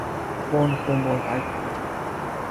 Von Humboldt a Ecuador.